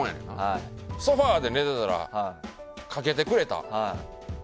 ソファーで寝てたらかけてくれた。